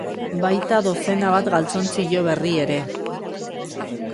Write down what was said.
Baita dozena bat galtzontzilo berri ere.